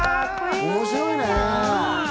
面白いね。